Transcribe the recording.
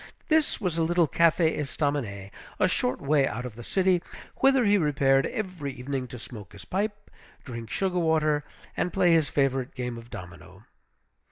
This was a little Café Estaminet, a short way out of the city, whither he repaired every evening to smoke his pipe, drink sugar water, and play his favorite game of domino.